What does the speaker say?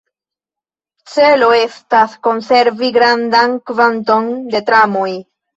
Celo estas, konservi grandan kvanton de tramoj.